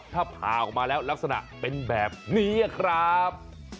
ถ้าผ่าออกมาแล้วลักษณะเป็นแบบนี้ครับ